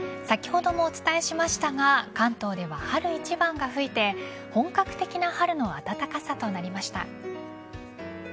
先ほどもお伝えしましたが関東では春一番が吹いて本格的な春の暖かさとなりました。